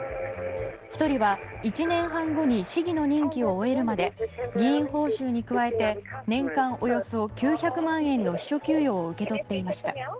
１人は１年半後に市議の任期を終えるまで議員報酬に加えて年間およそ９００万円の秘書給与を受け取っていました。